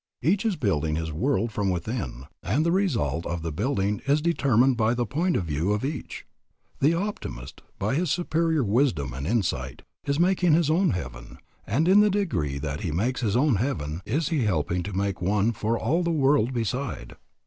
Each is building his world from within, and the result of the building is determined by the point of view of each. The optimist, by his superior wisdom and insight, is making his own heaven, and in the degree that he makes his own heaven is he helping to make one for all the world beside.